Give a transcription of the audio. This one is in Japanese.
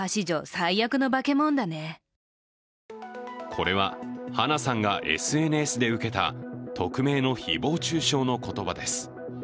これは、花さんがＳＮＳで受けた匿名の誹謗中傷の言葉です。